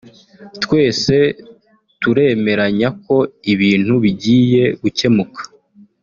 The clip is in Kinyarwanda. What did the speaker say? “Twese turemeranya ko ibintu bigiye gukemuka